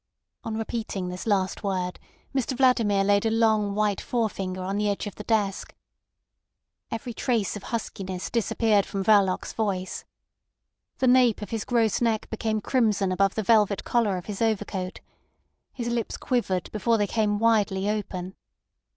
On repeating this last word Mr Vladimir laid a long white forefinger on the edge of the desk. Every trace of huskiness disappeared from Verloc's voice. The nape of his gross neck became crimson above the velvet collar of his overcoat. His lips quivered before they came widely open.